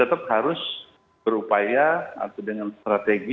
tetap harus berupaya atau dengan strategi